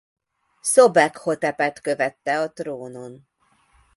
Szobekhotepet követte a trónon.